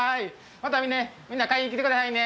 またねみんな買いに来てくださいね。